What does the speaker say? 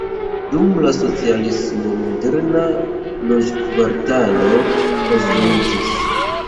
Dum la socialismo moderna loĝkvartalo konstruiĝis.